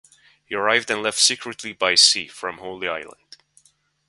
He arrived and left secretly by sea from Holy Island.